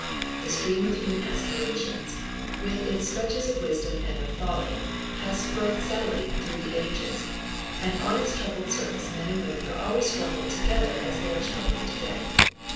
The stream of human aspirations, with its stretches of wisdom and of folly, has flowed steadily through the ages, and on its troubled surface men and women have always struggled together as they are struggling to day.